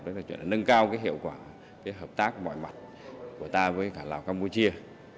đó là chuyện là nâng cao hiệu quả hợp tác mọi mặt của ta với cả lào campuchia